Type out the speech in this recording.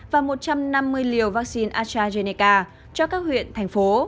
và một trăm năm mươi liều vaccine astrazeneca cho các huyện thành phố